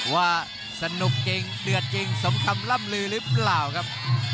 ว่าสนุกจริงเดือดจริงสมคำล่ำลือหรือเปล่าครับ